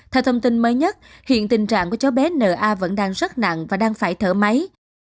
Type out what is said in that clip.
theo thông tin mới nhất hiện tình trạng của cháu bé na vẫn đang rất nặng và đang phải thở máy